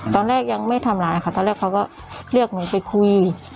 ตอนแรกยังไม่ทำร้ายค่ะตอนแรกเขาก็เรียกหนูไปคุย